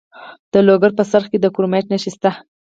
د لوګر په څرخ کې د کرومایټ نښې شته.